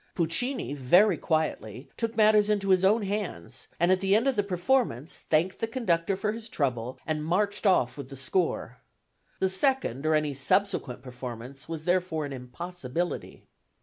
Puccini, very quietly, took matters into his own hands, and at the end of the performance thanked the conductor for his trouble and marched off with the score. The second or any subsequent performance was therefore an impossibility.